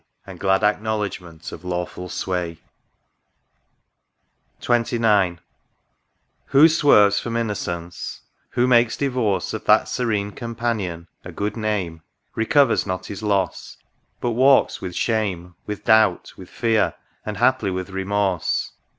And glad acknowledgment of lawful sway. THE RIVER DUDDON. M XXIX. Who swerves from innocence, who makes divorce Of that serene companion — a good liame, Recovers not his loss ; but walks with shame, With doubt, with fear, and haply with remorse.